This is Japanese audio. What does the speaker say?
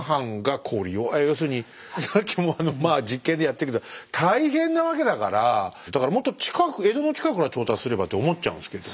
要するにさっきも実験でやったけど大変なわけだからだからもっと近く江戸の近くから調達すればって思っちゃうんですけども。